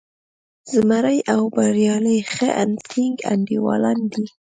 زمری او بریالی ښه ټینګ انډیوالان دي.